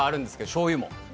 しょうゆも。